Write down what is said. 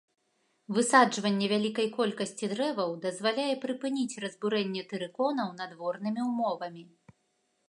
Высаджванне вялікай колькасці дрэваў дазваляе прыпыніць разбурэнне тэрыконаў надворнымі ўмовамі.